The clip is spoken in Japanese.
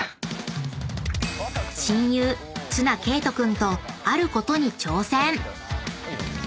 ［親友綱啓永君とあることに挑戦］